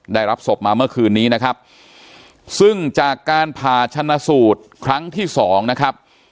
ได้รับศพมาเมื่อคืนนี้นะครับซึ่งจากการผ่าชนะสูตรครั้งที่สองนะครับ